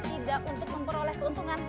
tidak untuk memperoleh keuntungan